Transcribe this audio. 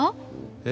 え？